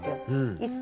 一切。